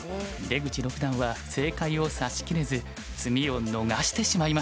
出口六段は正解を指しきれず詰みを逃してしまいました。